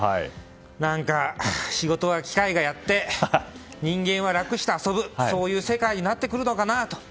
何か仕事を機械がやって人間は楽して遊ぶそういう世界になってくるのかな。